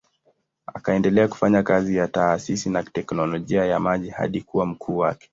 Akaendelea kufanya kazi ya taasisi ya teknolojia ya maji hadi kuwa mkuu wake.